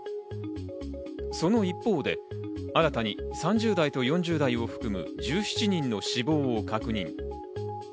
その一方で、新たに３０代と４０代を含む１７人の死亡を確認。